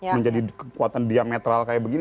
menjadi kekuatan diametral kayak begini